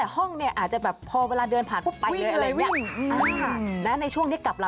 กลัว